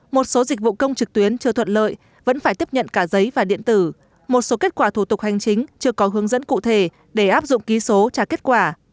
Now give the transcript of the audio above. một số dịch vụ công trực tuyến chưa thuận lợi vẫn phải tiếp nhận cả giấy và điện tử một số kết quả thủ tục hành chính chưa có hướng dẫn cụ thể để áp dụng ký số trả kết quả